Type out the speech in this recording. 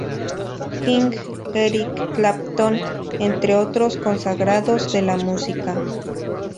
King, Eric Clapton, entre otros consagrados de la música.